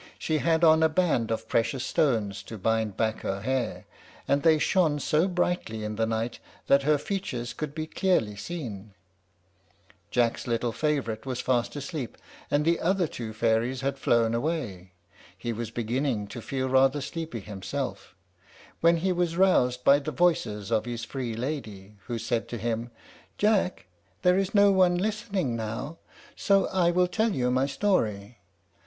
She had on a band of precious stones to bind back her hair, and they shone so brightly in the night that her features could be clearly seen. Jack's little favorite was fast asleep, and the other two fairies had flown away. He was beginning to feel rather sleepy himself, when he was roused by the voice of his free lady, who said to him, "Jack, there is no one listening now, so I will tell you my story.